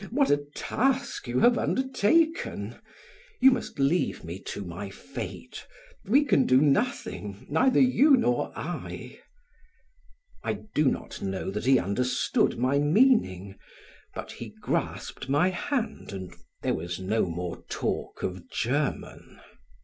What a task you have undertaken! You must leave me to my fate; we can do nothing, neither you nor I." I do not know that he understood my meaning, but he grasped my hand and there was no more talk of German.